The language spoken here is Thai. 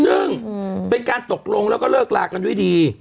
ซึ่งเป็นการตกลงแล้วก็เลิกลากันด้วยดี